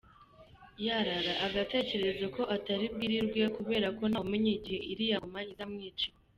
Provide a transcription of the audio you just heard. Yarara, agatekereza ko atari bwirirwe, kubera ko ntawumenya igihe iriya ngoma izamwicira!